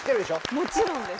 もちろんです